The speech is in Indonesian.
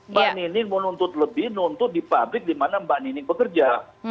mbak nining menuntut lebih nuntut di pabrik di mana mbak nining bekerja